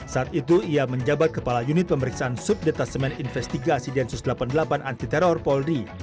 saat itu ia menjabat kepala unit pemeriksaan subdetasemen investigasi densus delapan puluh delapan anti teror polri